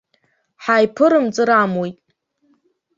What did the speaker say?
Ҳааиԥырымҵыр амуит.